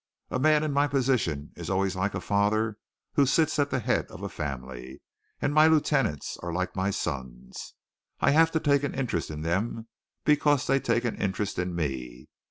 A man in my position is always like a father who sits at the head of a family, and my lieutenants are like my sons. I have to take an interest in them because they take an interest in me.